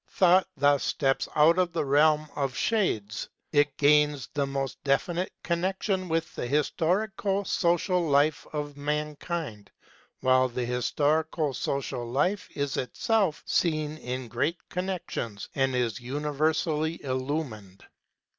Thought thus steps out of the " realm of shades "; it gains the most definite connection with the historico social life of mankind, while the historico social life is itself seen in great connections and is universally illumined.